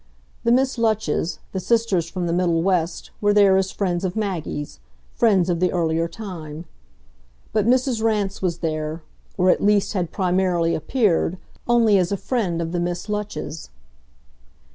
The Miss Lutches, the sisters from the middle West, were there as friends of Maggie's, friends of the earlier time; but Mrs. Rance was there or at least had primarily appeared only as a friend of the Miss Lutches.